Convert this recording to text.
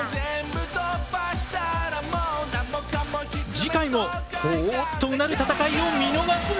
次回もほぉっとうなる戦いを見逃すな！